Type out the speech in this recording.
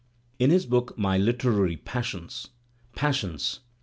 In his book " My Literary Passions "(" passions